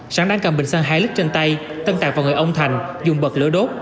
sáng đang cầm bình xăng hai lít trên tay tân tạc vào người ông thành dùng bật lửa đốt